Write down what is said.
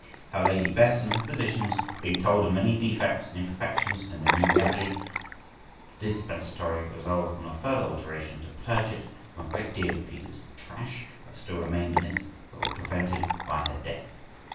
How Lady Bess and her physicians, being told of many defects and imperfections in their new medley dispensatory, resolve on a further alteration, to purge it from a great deal of Peter's trash that still remained in it, but were prevented by her death.